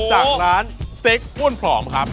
จากร้านเซ็กอ้วนผอมครับ